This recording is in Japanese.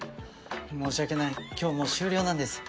申し訳ない今日もう終了なんです。